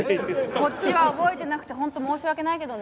こっちは覚えてなくてホント申し訳ないけどね。